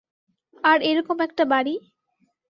আর এরকম একটা বাড়ি?